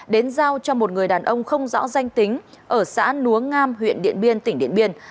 đến giao cho một người đàn ông không rõ danh tính ở xã núa ngam huyện điện biên tỉnh điện biên